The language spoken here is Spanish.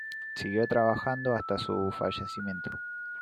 Siguió trabajando hasta su fallecimiento.